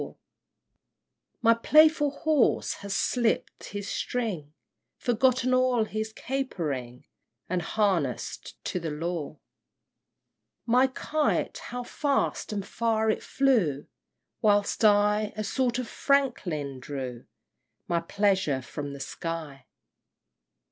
My playful horse has slipt his string, Forgotten all his capering, And harness'd to the law! IV. My kite how fast and far it flew! Whilst I, a sort of Franklin, drew My pleasure from the sky!